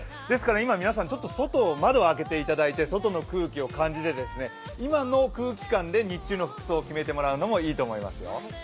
皆さん、今、窓を開けていただいて、外の空気を感じて、今の空気感で日中の服装を決めてもらうのもいいかもしれないですよ。